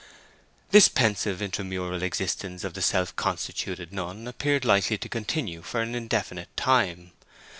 This pensive intramural existence of the self constituted nun appeared likely to continue for an indefinite time.